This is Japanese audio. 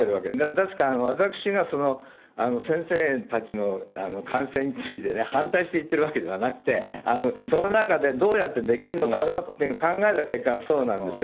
ですから、私が先生たちの感染についてね、反対して言ってるわけじゃなくて、その中でどうやってできるのかなって考えた結果がそうなんですよ。